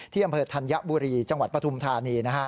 เที่ยวอำเภษธันยบุรีจังหวัดปทุมธานีนะฮะ